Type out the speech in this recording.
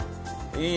いい？